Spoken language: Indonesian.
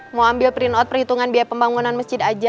mau ambil printout perhitungan biaya pembangunan masjid aja